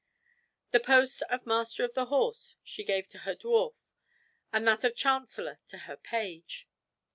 The post of master of the horse she gave to her dwarf, and that of chancellor to her page.